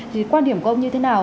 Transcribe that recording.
thì quan điểm của ông như thế nào